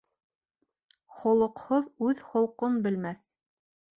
Холоҡһоҙ үҙ холҡон белмәҫ